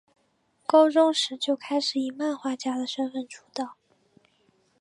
高中时就开始以漫画家的身份出道。